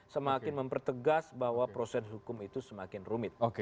semakin mempertegas bahwa proses hukum itu semakin rumit